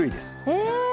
え！